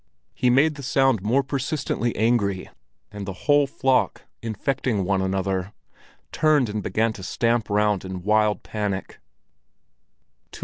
He made the sound more persistently angry, and the whole flock, infecting one another, turned and began to stamp round in wild panic.